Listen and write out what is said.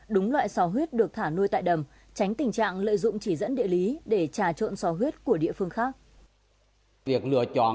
đúng loại so huyết được thả nuôi tại đầm tránh tình trạng lợi dụng chỉ dẫn địa lý để trà trộn so huyết của địa phương khác